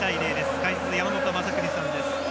解説、山本昌邦さんです。